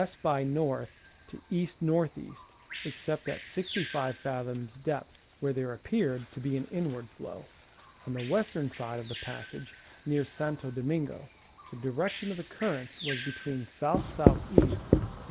by N. Geogrwphy of the Sea. 145 to E. N. E., except at 65 fathoms depth, where there appeared to be an inward flow. On the western side of the passage, near Santo Domingo, the direction of the currents was between S. S. E, and S.